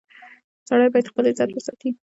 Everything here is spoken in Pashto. • سړی باید خپل عزت وساتي.